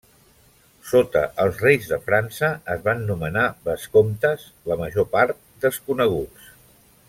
Sota els reis de França es van nomenar vescomtes la major part desconeguts.